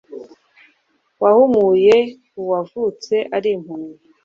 wahumuye uwavutse ari impumyi